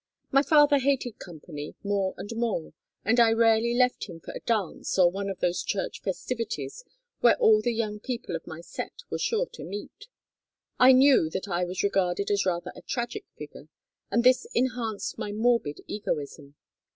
My father hated company more and more and I rarely left him for a dance or one of those church festivities where all the young people of my set were sure to meet. I knew that I was regarded as rather a tragic figure, and this enhanced my morbid egoism.